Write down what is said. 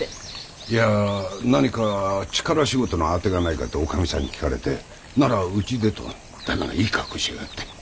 いや何か力仕事のあてがないかと女将さんに聞かれて「ならうちで」と旦那がいい格好しやがって。